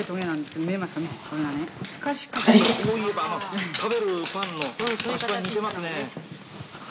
そういえば食べるパンの菓子パンに似てますね。